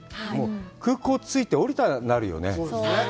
空港に着いて、降りたらなるよね？